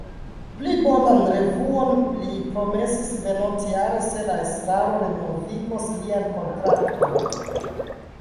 Pli bonan revuon li promesis venontjare se la estraro renovigos lian kontrakton.